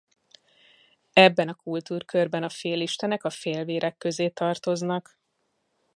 Ebben a kultúrkörben a félistenek a félvérek közé tartoznak.